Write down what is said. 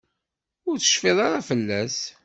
Ur tecfi ara fell-as.